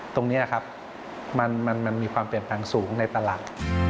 ตรงนี้ครับมันมีความเปลี่ยนแปลงสูงในตลาด